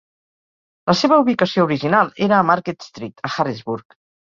La seva ubicació original era a Market Street, a Harrisburg.